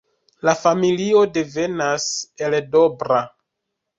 La familio devenas el Dobra.